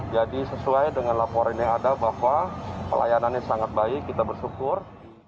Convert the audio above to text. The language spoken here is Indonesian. jadi sesuai dengan laporan yang ada bahwa pelayanannya sangat baik kita bersyukur